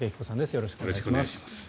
よろしくお願いします。